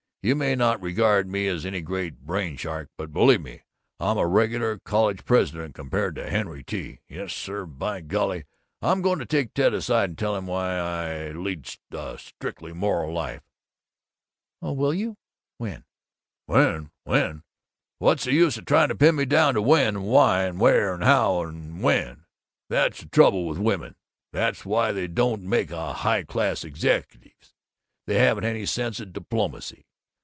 You may not regard me as any great brain shark, but believe me, I'm a regular college president, compared with Henry T.! Yes sir, by golly, I'm going to take Ted aside and tell him why I lead a strictly moral life." "Oh, will you? When?" "When? When? What's the use of trying to pin me down to When and Why and Where and How and When? That's the trouble with women, that's why they don't make high class executives; they haven't any sense of diplomacy.